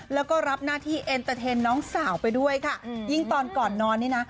แล้วก็รับหน้าที่น้องสาวไปด้วยค่ะยิ่งตอนก่อนนอนนี่น่ะ